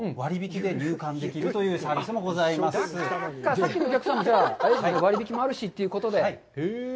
さっきのお客さん、割引もあるしということで。